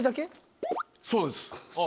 そうです。